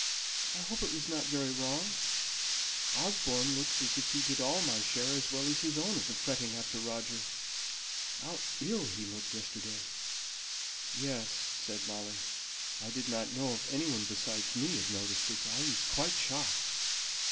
I hope it wasn't very wrong. Osborne looks as if he did all my share as well as his own of the fretting after Roger. How ill he looked yesterday!" "Yes," said Molly; "I didn't know if any one besides me had noticed it. I was quite shocked."